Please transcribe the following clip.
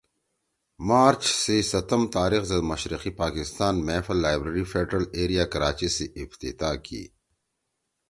مارچ سی ستم تاریخ زید مشرقی پاکستان محفل لائبریری فیڈرل ایریا کراچی سی افتتاح کی